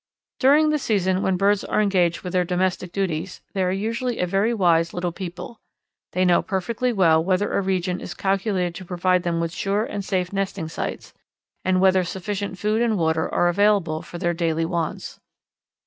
During the season when birds are engaged with their domestic duties they are usually a very wise little people. They know perfectly well whether a region is calculated to provide them with sure and safe nesting sites, and whether sufficient food and water are available for their daily wants.